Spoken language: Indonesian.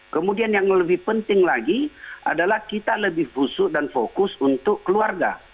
kemudian yang lebih penting lagi adalah kita lebih busuk dan fokus untuk keluarga